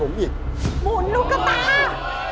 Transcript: หมุนลูกกระตา